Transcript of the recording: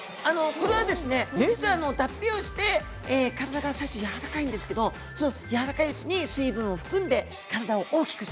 実は脱皮をして体が最初やわらかいんですけどやわらかいうちに水分を含んで体を大きくさせます。